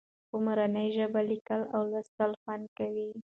په مورنۍ ژبه لیکل او لوستل خوند کوي.